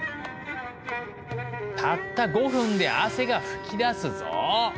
たった５分で汗が噴き出すぞ。